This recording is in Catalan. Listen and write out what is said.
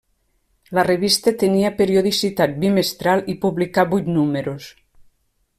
La revista tenia periodicitat bimestral i publicà vuit números.